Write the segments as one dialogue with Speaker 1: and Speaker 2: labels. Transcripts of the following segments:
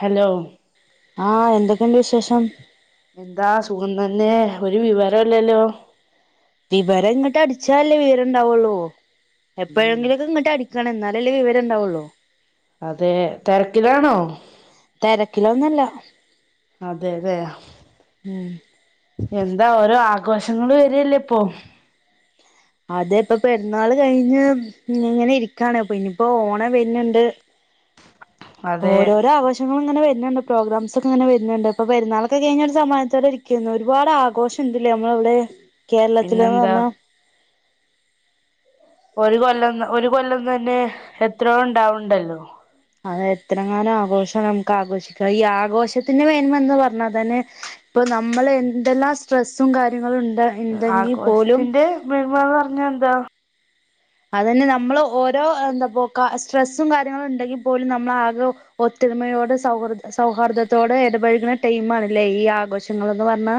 Speaker 1: Hello
Speaker 2: ആഹ എന്തൊക്കെയുണ്ട് വിശേഷം?
Speaker 1: എന്താ സുഖം തന്നെ, ഒരു വിവരല്ലല്ലോ
Speaker 2: വിവരം ഇങ്ങിട്ട് അടിച്ചല്ലേ വിവരണ്ടാവുള്ളൂ.
Speaker 1: ഉം
Speaker 2: എപ്പോഴെങ്കിലിതി ഇത് ഇങ്ങോട്ട് അടി ക്കണം എന്നാലല്ലേ വിവരമുണ്ടാവും.
Speaker 1: അതെ തിരക്കിലാണോ?
Speaker 2: തിരക്കിലൊന്നല്ല
Speaker 1: അതെ അതെ
Speaker 2: ഉം
Speaker 1: എന്താ ഓരോ ആഘോഷങ്ങളും വരില്ലേ ഇപ്പൊ
Speaker 2: അത ഇപ്പ പെരുന്നാൾ കഴിഞ്ഞ് ഇങ്ങനെ ഇരിക്കാണ്, പിന്നപ്പോ ഓണ വരുന്നുണ്ട്.
Speaker 1: അതെ
Speaker 2: ഓരോരോ ആഘോശങ്ങള അങ്ങനെ വരുന്നുണ്ട്, പ്രോഗ്രാംസ് ഒക്കെ അങ്ങനെ വരുന്നുണ്ട്, ഇപ്പൊ പെരുന്നാളൊക്കെ കഴിഞ്ഞ ഒരുസമാനത്തോടെ ഇരിക്കുന്നു ഒരുപാട് ആഘോഷം ഇണ്ട് ഇല്ലേ നമ്മള അവിടെ കേരളത്തിലത്തിലെ
Speaker 1: പിന്നെന്താ
Speaker 2: പറഞ്ഞാ
Speaker 1: ഒരു കൊല്ലം ഒരു കൊല്ലം തന്നെ എത്രയോ ഉണ്ടാവണ്ടല്ലോ?
Speaker 2: അ എത്ര കാനം ആഘോഷം നമുക്ക് ആഘോഷിക്കാം, ഈ ആഘോഷത്തിന്റെ വേന്മ എന്ന് പറഞ്ഞാൽ തന്നെ ഇപ്പൊ നമ്മൾ എന്തെല്ലാം സ്ട്രെസ്സും കാര്യങ്ങളും ഉണ്ട്. ഉണ്ടെങ്കിൽ പോലും
Speaker 1: ആഘോഷത്തിന്റെ മേന്മ എന്ന് പറഞ്ഞാ എന്താ
Speaker 2: അത്ന്നെ നമ്മൾ ഓരോ എന്താപ്പോ കാ സ്ട്രെസ്സും കാര്യങ്ങളും ഉണ്ടെങ്കിൽ പോലും നമ്മൾ ആകെ ഒത്തൊരുമയോട് സൗഹൃദ സൗഹാർദത്തോട് ഇടപഴകുന്ന ടൈം ആണല്ലേ ഈ ആഘോഷങ്ങൾന്ന് പറഞ്ഞാ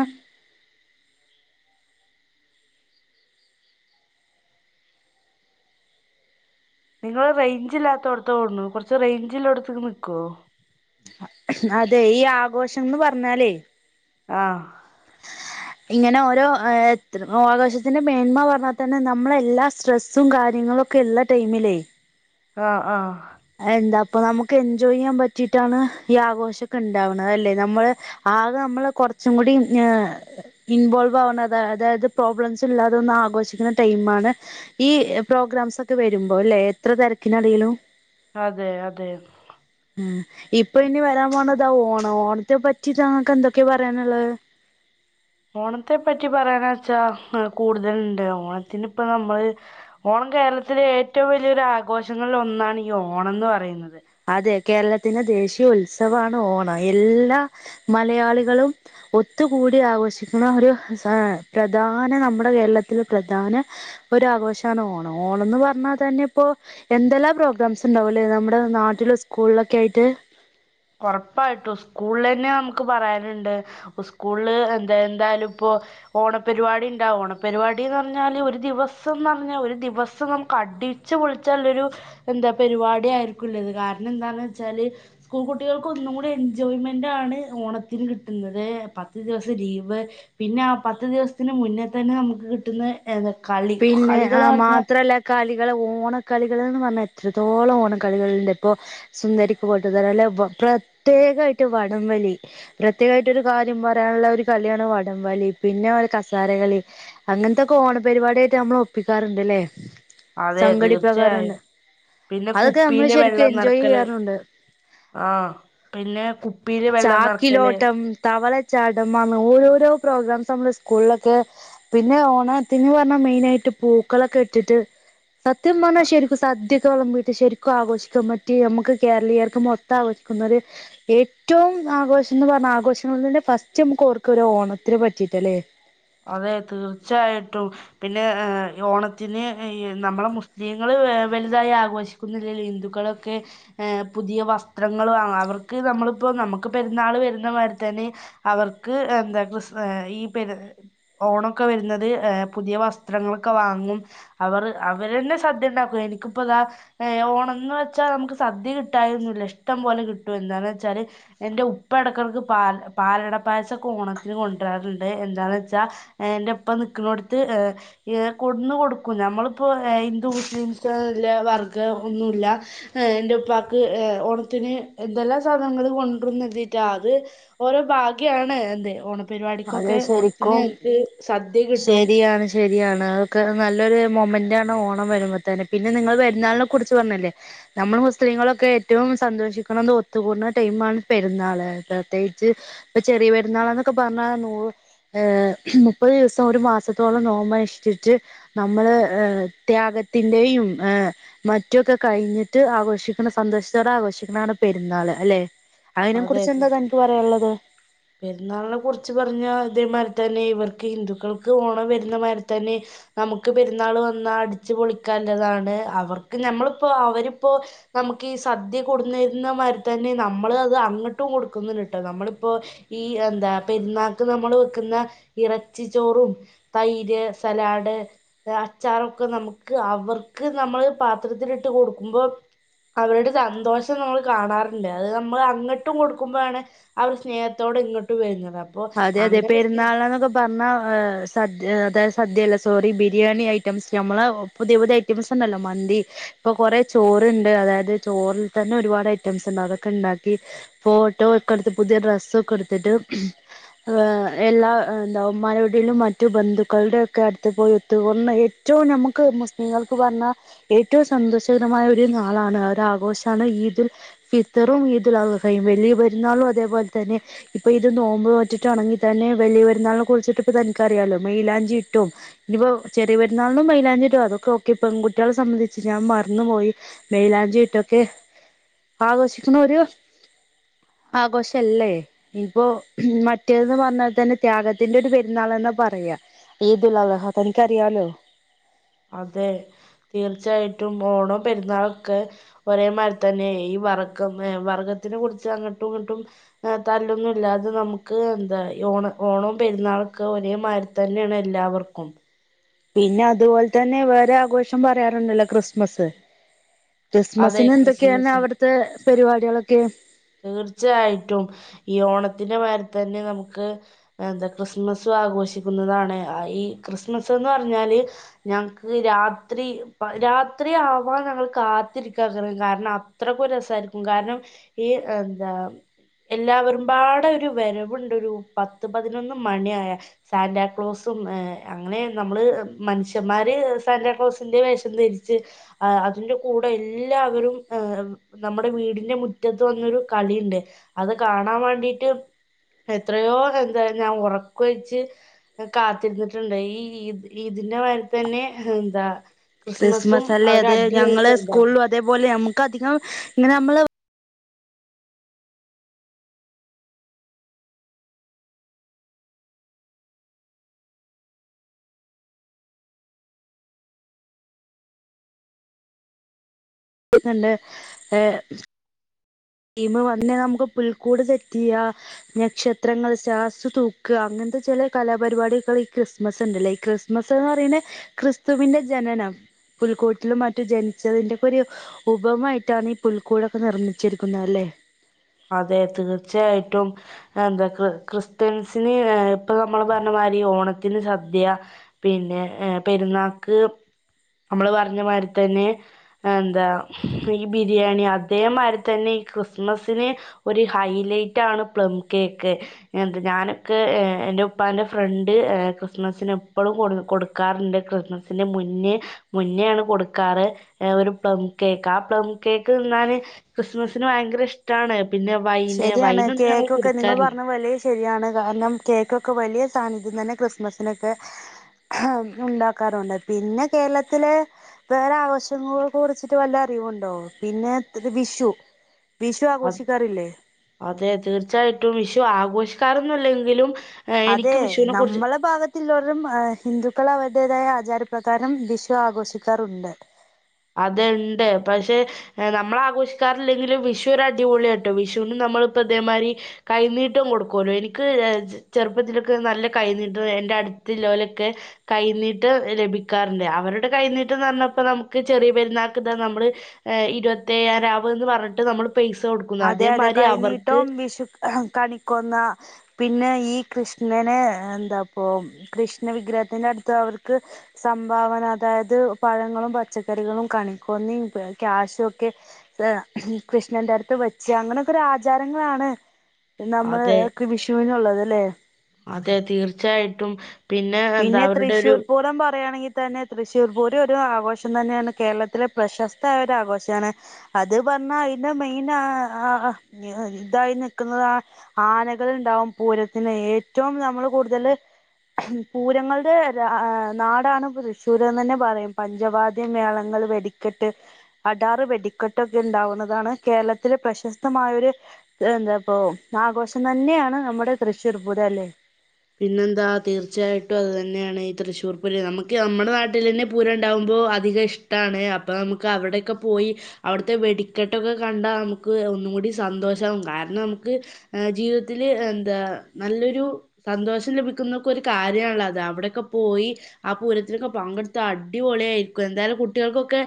Speaker 1: നിങ്ങള്ൾ റേഞ്ചില്ലാത്തേട്ത്താണ് കൊറച്ച് റേഞ്ചിഇല്ലേടുത്ക്ക് നിക്കോ
Speaker 2: അതെ ഈ ആഘോഷംന്ന് പറഞ്ഞാലെയ്
Speaker 1: ആഹ്
Speaker 2: ഇങ്ങനെ ഓരോ ആഘോശത്തിന്റെ മേന്മ പറഞ്ഞാൽ തന്നെ നമ്മള എല്ലാ സ്ട്രെസ്സും കാര്യങ്ങളും ഒക്കെ ഉള്ള ടൈമില്
Speaker 1: ആഹ് ആഹ്
Speaker 2: അഎന്താ അപ്പൊ നമുക്ക് എൻജോയ് ചെയ്യാൻ പറ്റിട്ടാണ് ഈ ആഘോഷം ഒക്കെ ഉണ്ടാവ്ണത് അല്ലെ നമ്മള് ആകെ നമ്മള് കൊറച്ചും കൂടി ഇൻവോൾവ് ആവണ അതായത് പ്രോബ്ലംസ് ഇല്ലാതെ ഒന്ന ആഘോഷിക്കുന്ന ടൈണ് ഈ പ്രോഗ്രാംസ് ഒക്കെ വരുമ്പോ അല്ലെ എത്ര തിരക്കിനടയിലും
Speaker 1: അതെ അതെ
Speaker 2: ഉം ഇപ്പൊ ഇനി വരാൻ പോണത് ഓണം ഓണത്തെ പറ്റി താങ്ങൾക്ക് എന്തൊക്കെയ പറയാനുള്ളത്
Speaker 1: ഓണത്തെ പറ്റി പറയാന വെച്ചാ കൂടുതലുണ്ട് ഓണത്തിന് ഇപ്പ നമ്മള് ഓണം കേരളത്തിലെ ഏറ്റവും വലിയൊ ഒരു ആഘോഷങ്ങളിൽ ഒന്നാണ് ഈ ഓണംന്ന് പറയുന്നത്
Speaker 2: അതെ കേരളത്തിന് ദേശീയ മു ഉത്സവമാണ് ഓണം എല്ലാ മലയാളികളും ഒത്തുകൂടി ആഘോഷിക്കുന്ന ഒരു പ്രധാന നമ്മുടെ കേരളത്തിലെ പ്രധാന ഒരു ആഘോഷമാണ് ഓണം ഓണംന്ന് പറഞ്ഞാൽ തന്നെ ഇപ്പോൊ എന്തെല്ലാം പ്രോഗ്രാംസ് ഉണ്ടാവും അല്ലേ നമ്മുടെ നാ ട്ടിലും സ്കൂളിലൊക്കെ ആയിട്ട്
Speaker 1: ഉറപ്പായിട്ടു സ്കൂളിൽ തന്നെ നമുക്ക് പറയാനുണ്ട് സ്കൂളില് എന്താ എന്തായാലും ഇപ്പൊ ഓണപരിപാടി ഉണ്ടാ ഓണപരിപാടിന്ന് പറഞ്ഞാല് ഒരു ദിവസംന്ന് പറഞ്ഞാ ഒരു ദിവസം നമുക്ക് അടിച്ചു പൊളിച്ചുള്ളരു എന്താ പരിപാടി ആയിരിക്കുള്ളത് കാരണം എന്താന്ന് വെച്ചാല് സ്കൂൾ കുട്ടികൾക്ക് ഒന്നും കൂടി എൻജോയ്മെന്റാണ് ഓണത്തിന് കിട്ടുന്നത് പത്ത് ദിവസം ലീവ് പിന്നെ ആ പത്ത് ദിവസത്തിന് മുന്നേ തന്നെ നമുക്ക് കിട്ടുന്ന ഏന്താപ
Speaker 2: പിന്നെ ആ മാത്രല്ല കളി ളികളെ ഓണക്കളികള്ന്ന് പറഞ്ഞാൽ എത്രത്തോളം ഓണക്കളികളുണ്ട് ഇപ്പൊ സുന്ദരിക്ക് പോട്ട്തൊടാൻ അല്ല പൊ പ്രത്യേകമായിട്ട് വടംവലി പ്രത്യേകമായിട്ട് ഒരു കാര്യം പറയാനുള്ള ഒരു കളിയാണ് വടംവലി പിന്നെല കസാരകളി അങ്ങൻതൊക്കെ ഓണപരിപാടി റ്റ് നമ്മളൊപ്പിക്കാറുണ്ട്ല്ലേ
Speaker 1: അതെ തീർച്ചയായും പിന്നെ
Speaker 2: അതൊക്കെ നമ്മള്
Speaker 1: കുപ്പിയില്
Speaker 2: ശരിക്കും
Speaker 1: വെള്ളം
Speaker 2: എൻജോയ്
Speaker 1: നിറക്കല്
Speaker 2: ചെയ്യാറുണ്ട്
Speaker 1: ആഹ് പിന്നെ കുപ്പിയില് വെള്ളം നിറക്കല്
Speaker 2: ചാടമങ്ങ് ഓരോരോ പ്രോഗ്രാംസ് നമ്മള് സ്കൂളിലൊക്കെ പിന്നെ ഓണത്തിന് പർ മ മെയിനായിട്ട് പൂക്കളൊക്കെ ഇട്ടിട്ട് സത്യം പർഞ്ഞാ ശരിക്കും സദ്യ [unintelligible] വീട്ടിൽ ശരിക്കും ആഘോഷിക്കാൻ പറ്റിയ നമ്മക്ക് കേരളീയർക്കുമ്മൊത്ത ആഘോഷിക്കുന്ന ഒരു ഏറ്റവും ആഘോഷംന്ന് പറഞ്ഞ ആഘോഷങ്ങളെ ഫസ്റ്റ് നമുക്ക് ഓർക്ക ഒരോണത്തിനെ പറ്റിട്ടല്ലേ
Speaker 1: അതെ തീർച്ചയായിട്ടും പിന്നെ ഏ ഓണത്തിന് ഈ നമ്മളെ മുസ്ലിങ്ങള് ഏ വലുതായി ആഘോഷിക്കുന്നില്ലല്ലോ ഹിന്ദുക്കളൊക്കെ ഏ പുതിയ വസ്ത്രങ്ങള് വാങ്ങാ അവർക്ക് നമ്മളിപ്പോ നമ്മക്ക് പെരുന്നാള് വരുന്നമാരിതന്നെ അവർക്ക് എന്താക്രിസ് ഈ പെര് ഓണൊക്കെ വരുന്നത് ഏ പുതിയ വസ്ത്രങ്ങളൊക്കെ വാങ്ങും അവറ് അവര്ന്നെ സദ്യണ്ടാക്കും എനിക്കിപ്പതാ ഏ ഓണംന്ന് വെച്ചാ നമുക്ക് സദ്യ കിട്ടായി ഒന്നുല്ല ഇഷ്ടം പോലെ കിട്ടും എന്താന്ന് വെച്ചാല് എന്റെ ഉപ്പ എടക്കടക്ക് പാൽ പാലട പായസക്കെ ഓണത്തിന് കൊണ്ടു വരാറുണ്ട് എന്താന്ന് വച്ചാ ച്ചാ എന്റെപ്പ നിക്ക്ണോട്ത്ത് ഏ ഏ കൊടുന്ന് കൊടുക്കും നമ്മളിപ്പോ ഏ ഹിന്ദു മുസ്ലിംസ്ല്ല വർഗം ഒന്നുല്ല ഏ എൻന്റെപ്പാക്ക് ഏ ഓണത്തിന് എന്തെല്ലാ സാധനങ്ങള് കൊണ്ട്രുംന്നെര്തീറ്റാ അത് ഓരോ ഭാഗ്യാണ് എന്ത ഓണ പരിപടിക്കൊക്കെ ഓണ
Speaker 2: ക്കും ശരിയാണ് ശരിയാണ് അതൊക്കെ നല്ലൊരു മൊമെന്റാണ് ഓണം വരുമ്പതന്നെ പിന്നെ നിങ്ങൾ പെരുന്നാളിനെ കുറിച്ച് പറഞ്ഞല്ലേ നമ്മള് മുസ്ലീങ്ങളൊക്കെ ഏറ്റവും സന്തോഷിക്കണ ഒത്തുകൂടുന്ന ടൈമാണ് പെരുന്നാള് പ്രത്യേകിച്ച് ഇപ്പ ചെറിയ പെരുന്നാള് എന്നൊക്കെ പ പറഞ്ഞാ നൂറ് ഏർ മുപ്പത് ദിവസം ഒരു മാസത്തോളം നോമ്പനുഷ്ടിച്ച് നമ്മള് ഏ ത്യാഗത്തിന്റെയും ഏ മറ്റു ഒക്കെ കഴിഞ്ഞിട്ട് ആഘോഷിക്ക്ണ സന്തോഷത്തോടെ ആഘോഷിക്കണാണ് പെരുന്നാള് അല്ലേ അതിനെ
Speaker 1: അതെ
Speaker 2: കുറിച്ച്
Speaker 1: അതെ
Speaker 2: എന്താ തനിക്ക് പറയാള്ളത്
Speaker 1: പെരുന്നാളിനെ കുറിച്ച് പറഞ്ഞ ഇതേമാതിരി തന്നെ ഇവർക്ക് ഹിന്ദുക്കൾക്ക് ഓണം വരുന്നമാതിരി തന്നെ നമുക്ക് പെരുന്നാള് വന്നാ അടിച്ചു പൊളിക്കാള്ളതാണ് അവർക്ക് നമ്മളിപ്പോ അവരിപ്പോ നമുക്ക് ഈ സദ്യ കൊട്ന്നെര്ന മാരി തന്നെ നമ്മള് അത് അങ്ങട്ടും കൊടുക്കുന്നുണ്ട്ട്ടോ നമ്മളിപ്പോ ഈ എന്താ പെരുന്നാക്ക് നമ്മള് വെക്കുന്ന ഇറച്ചി ചോറും തൈര്, സലാഡ്, അച്ചാറൊക്കെ നമുക്ക് അവർക്ക് നമ്മള് പാത്രത്തിലിട്ട് കൊടുക്കുമ്പോ അവരുടെ സന്തോഷം നമ്മള് കാണാറുണ്ട് അത് നമ്മള് അ അങ്ങട്ടും കൊടുക്കുമ്പോഴാണ് അവർ സ്നേഹത്തോട് ഇങ്ങട്ടും വര്നത്
Speaker 2: അതെ അതെ പെരുന്നാളന്നൊക്കെ പർഞ്ഞാ ആഹ് സദ്യ അതായത് സദ്യയല്ല സോറി ബിരിയാണി ഐറ്റംസ് ഞമ്മളെ പുതിയ പുതിയ ഐറ്റംസ് ണ്ടല്ലോ മന്തി ഇപ്പൊ കൊറെ ചോറ്ണ്ട് അതായത് ചോറിൽ തന്നെ ഒരുപാട് ഐറ്റംസ് ണ്ട് അതൊക്കെണ്ടാക്കി ഫോട്ടോ ഒക്കെ ഇട്ത്ത് പുതിയ ഡ്രസ്സൊക്കെ എട്ത്തിട്ട് എല്ലാ ദവന്മാരുടെലും മറ്റു ബന്ധുക്കളുടെ ഒക്കെ അടുത്ത് പോയി ഒത്തു ഒന്ന് എറ്റവും നമുക്ക് മുസ്ലിങ്ങൾക്ക് പറഞ്ഞാൽ ഏറ്റവും സന്തോഷകരമായ ഒരു നാളാണ് ആ ആഘോഷമാണ് ഈദുൽ ഫിത്റും ഈദുൽ അള്ഹയും വലിയ പെരുന്നാളും അതേപോലെ തന്നെ ഇപ്പൊ ഇത് നോ മ്പ് നോറ്റിട്ടാണെങ്കി തന്നെ വലിയ പെരുന്നാളിനെ കുറിച്ചിട്ട് ഇപ്പോ തനിക്കറിയാലോ. മൈലാഞ്ചി ഇട്ടും ഇനിപ്പോ ചെറിയ പെരുന്നാളിനും മൈലാഞ്ചി ഇടു അതൊക്കെ ഓക്കെ പെൺകുട്ട്യേളെ സംബന്ധിച്ച് ഞാൻ മറന്നുപോയി മെയിലാഞ്ചി ഇട്ടൊക്കെ ആഘോഷിക്കണ ഒരു ആഘോഷല്ലേ ഇനിപ്പോ മറ്റേന്ന് പറഞ്ഞാൽ തന്നെ ത്യാഗത്തിന്റെ ഒരു പെരുന്നാള്ന്നാ പറയാ ഈദലഹ തനിക്കറിയാലോ
Speaker 1: അതെ തീർച്ചയായിട്ടും ഓ ണോം പെരുന്നാളൊക്കെ ഒരേമാതിരി തന്നെ ഈ വർഗം ർ വർഗത്തിനെ കുറിച്ച ങ്ങട്ടും ഇങ്ങട്ടും ർ തല്ലൊന്നും ഇല്ലാതെ നമുക്ക് എന്താഈ ഓണ ഓ ണോം പെരുന്നാളൊക്കെ ഒരേമായ്രി തന്നെയാണ് എല്ലാവർക്കും
Speaker 2: പിന്നെ അതുപോലെ തന്നെ വേരെ ആഘോഷം പറയാറുണുല്ല ക്രിസ്മസ്സ്
Speaker 1: അതെ
Speaker 2: ക്രിസ്മസിന് എന്തൊക്കെയാണ്
Speaker 1: ക്രിസ്മസ്
Speaker 2: അവിടുത്ത പരിപാട്യളൊക്കെ
Speaker 1: തീർച്ചയായിട്ടും ഈ ഓണത്തിന്റെ മായിരി തന്നെ നമുക്ക് എന്താ ക്രിസ്മസും ആഘോഷിക്കുന്നതാണ് അ ഈ ക്രിസ്മസ് എന്ന് പറഞ്ഞാല് ഞങ്ങക്ക് രാത്രി രാത്രി ആവാൻ ഞങ്ങൾ കാത്തിരിക്കാറ് കാരണം അത്രക്കു രസായിരിക്കും കാരണം ഈ എന്താ എല്ലാവരുമ്പാട ഒരു വരവുണ്ട് ഒരു പത്ത് പതിനൊന്ന് മണിയായ സാന്റാക്ലോസും അങ്ങനെ നമ്മള് മനുഷ്യന്മാര് സാന്റാക്ലോസിന്റെ വേഷം ധരിച്ച് അതിന്റെ കൂടെ എല്ലാവരും നമ്മുടെ വീടിന്റെ മു മുറ്റത്ത് വന്നൊരു കളിണ്ട് അത് കാണാൻ വേണ്ടിട്ട് എത്രയോ എന്താ ഞാൻ ഒറക്കൊഴിച്ച് കാത്തിര്ന്നിട്ട്ണ്ട് ഈ ഇ ഇതിന്റെ വേണ്ടി തന്നെ എന്താ ക്രിസ്മസും
Speaker 2: ക്രിസ്മസ് അല്ലേ
Speaker 1: ഒരു
Speaker 2: അത്
Speaker 1: അടിപൊളി
Speaker 2: ഞങ്ങള്
Speaker 1: സംഭവമാണ്
Speaker 2: സ്കൂളിലും അതേപോലെ നമുക്ക് അധികം ഇങ്ങനെ നമ്മള് ണ്ട് നല്ലെ [unintelligible] ഏ വന്നേ നമുക്ക് പുൽക്കൂട് സെറ്റ് യ്യാ നക്ഷത്രങ്ങൾ സ്റ്റാർസ് തൂക്കാ അങ്ങനത്തെ ചെല കലാപരിപാടികൾ ഈ ക്രിസ്മസ് ഉണ്ടല്ലേ ഈ ക്രിസ്മസ് എന്ന് പറയുന്ന ക്രിസ്തുവിന്റെ ജനനം പുൽക്കൂട്ടിലും മറ്റു ജനിച്ചതിന്റെക്കെ ഒരു ഉപമായിട്ടാണ് ഈ പുൽക്കൂടൊക്കെ നിർമ്മിച്ചിരി പുല്ലാല്ലേ
Speaker 1: അതെ തീർച്ചയായിട്ടും എന്താ ക്രിസ്ത്യൻസിന് ഇപ്പൊ നമ്മൾ പറഞ്ഞമാതിരി ഓണത്തിന് സദ്യ പിന്നെ പെരുന്നാക്ക് അമ്മൾ പറഞ്ഞ മായ്രി തന്നെ എന്താ ഈ ബിരിയാണി അതേമായ്രി തന്നെ ഈ ക്രിസ്മസ് ന് ഒരു ഹൈലൈറ്റ് ആണ് പ്ലം കേക്ക് ഞാനൊക്കെ എന്റെ ഉപ്പാന്റെ ഫ്രണ്ട് ക്രിസ്മസിന് എപ്പളും കൊടുക്കാറുണ്ട് ക്രിസ്മസിന്റെ മുന്നേ മുന്നെയാണ് കൊടുക്കാറ് ഒരു പ്ലം കേക്ക് ആ പ്ലം കേക്ക് തിന്നാന് ക്രിസ്മസിന് ഭയങ്കര ഇഷ് ട്ടാണ്
Speaker 2: ശരിയാണ് കേക്കൊക്കെ നിങ്ങൾ പറഞ്ഞ വല യാണ് കാര്ണം കേക്കൊക്കെ വലിയ സാന്നിധ്യം തന്നെ ക്രിസ്മസിനൊക്കെ ഉം ഉണ്ടാക്കാറുണ്ട് പിന്നെ കേരളത്തിലെ വേറെ ആഘോഷങ്ങളെ കുറിച്ചിട്ട് വല്ല അറിവുണ്ടോ പിന്നെ വിഷു വിഷു
Speaker 1: അത്
Speaker 2: ആഘോഷിക്കാറില്ലേ
Speaker 1: അതെ തീർച്ചയായിട്ടും വിഷു ആഘോഷിക്കാറൊന്നില്ലെങ്കിലും
Speaker 2: അതെ നമ്മള ഭാഗത്തില്ലോരും ഏഹ് ഹിന്ദുക്കളാ വലു ന്തേതായ ആചാരപ്രധാനം വിഷു ആഘോഷിക്കാറുണ്ട്
Speaker 1: അതെ ഇണ്ട് പക്ഷെ നമ്മൾ ആഘോഷിക്കാറില്ലെങ്കിലും വിഷു ഒരടിപൊളിയാട്ടോ വിഷുനും നമ്മളിപ്പതേമായ്രി കൈനീട്ടം കൊടുക്കൊല്ലോ എനിക്ക് ചെറുപ്പത്തില്ക്ക് നല്ല കൈനീട്ടം എന്റെ അടുത്ത് ലോലൊക്കെ കൈനീട്ടം ലഭിക്കാറുണ്ട് അവരുടെ കൈനീട്ടംന്ന് പറഞ്ഞപ്പോ നമുക്ക് ക്ചെറിയ പെരുന്നാക്ക് ഇതാ നമ്മൾ ഇരുപത്തേഴാം രാവ് ന്ന് പറഞ്ഞിട്ട് നമ്മൾ പൈസ കൊടുക്കുന്നു.
Speaker 2: അതെ അതെ
Speaker 1: അതേമാതിരി അവർക്ക്
Speaker 2: കൈനീട്ടം വിഷു ഹ കണിക്കൊന്ന പിന്നെ ഈ കൃഷ്ണനെ എന്താപ്പൊ കൃഷ്ണ വിഗ്രഹത്തിന്റെ അടുത്ത് അവർക്ക് സംഭാവന അതായത് പഴങ്ങളും പച്ചക്കറികളും കണിക്കൊന്നി ക്യാശും ഒക്കെ കൃഷ്ണന്റെ അടുത്ത് വെച്ച് അങ്ങനൊക്കൊരു ആചാരങ്ങളാണ് നമ്മൾ
Speaker 1: അതെ
Speaker 2: ക്ക് വിഷുവിനുള്ളത് ല്ലേ
Speaker 1: അതെ തീർച്ചയായിട്ടും എന്താ
Speaker 2: പിന്നെ
Speaker 1: അവരുടെ ഒരു
Speaker 2: തൃശ്ശൂർ പൂരം പറയാണെൽ തന്നെ തൃശ്ശൂർ പൂരം ഒരു ആഘോഷം തന്നെയാണ് കേരളത്തിലെ പ്രശസ്തായ ഒരു ആഘോഷാണ് അത് പറഞ്ഞാൽ അതിന്റെ മെയിൻ ആ ഇതായി നിൽക്കുന്നത് ആനകൾ ഉണ്ടാവും പൂരത്തിന് ഏറ്റവും നമ്മൾ കൂടുതൽ പൂരങ്ങളുടെ നാടാണ് തൃശ്ശൂരന്ന് ന്നെ പറയും പഞ്ചവാദ്യ മേളങ്ങൾ വെടിക്കെട്ട് അടാറ് വെടിക്കെട്ടൊക്കെ ഉണ്ടാവുന്നതാണ് കേരളത്തിലെ പ്രശസ്തമായൊരു എന്താപ്പോ ആഘോഷം തന്നെയാണ് മ്മുടെ തൃശ്ശൂർ പൂരം അല്ലെ
Speaker 1: പിന്നെന്താ തീർച്ചയായിട്ടും അത് തന്നെയാണ് ഈ തൃശ്ശൂർ പൂരം നമ്ക്ക് നമ്മുടെ നാട്ടിൽ തന്നെ പൂരം ഉണ്ടാവുമ്പോ അധികം ഇഷ്ടാണ് അപ്പൊ മുക്ക് അവിടെയൊക്കെ പോയി അവിടുത്തെ വെടിക്കെട്ടൊക്കെ കണ്ടാ മുക്ക് ഒന്നുംകൂടി സന്തോഷാവും കാരണം നമുക്ക് ജീവിതത്തില് എന്താ നല്ലൊരു സന്തോഷം ലഭിക്കുന്നൊക്കെ ഒരു കാ ര്യാണ് അത് അവിടൊക്കെ പോയി ആ പൂരത്തിന്ക്കെ പങ്കെടുത്ത അടിപൊളിയായിരിക്കും എന്താലും കുട്ട്യേൾക്കൊക്കെ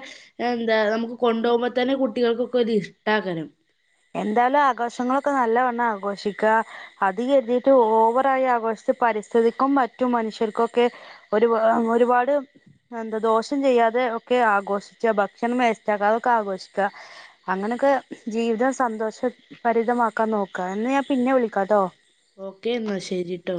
Speaker 1: എന്താ നമുക്ക് കൊണ്ടോഉമ്പ തന്നെ കുട്ടികൾക്കൊരു ഇഷ്ടക്കാരം
Speaker 2: എന്താലും ആഘോഷങ്ങളൊക്കെ നല്ലവണ്ണം ആഘോഷിക്ക അത് കരുതീട്ട് ഓവറായ ആഘോഷിച്ച് പരിസ്ഥിതിക്കും മറ്റും മനുഷ്യർക്കൊക്കെ ഒരു ഒരുപാട് എന്താ ദോഷം ചെയ്യാതെ ഒക്കെ ആഘോഷിച്ച ഭക്ഷണം വേസ്റ്റ് ആക്കതൊക്കെ ആഘോഷിക്ക അങ്ങനെക്കെ ജീവിതം സന്തോഷഭരിതമാക്കാ നോക്കാ എന്ന ഞാൻ പിന്നെ വിളിക്കാട്ടോ
Speaker 1: ഓക്കേ ന്നാ ശെരിട്ടോ